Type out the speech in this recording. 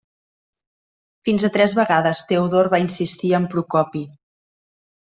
Fins a tres vegades Teodor va insistir amb Procopi.